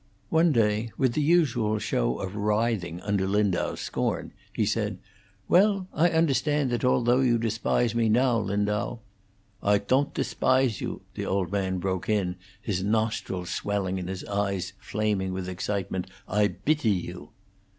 One day, with the usual show of writhing under Lindau's scorn, he said, "Well, I understand that although you despise me now, Lindau " "I ton't desbise you," the old man broke in, his nostrils swelling and his eyes flaming with excitement, "I bity you."